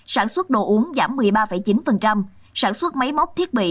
sản xuất đồ uống giảm một mươi ba chín sản xuất máy móc thiết bị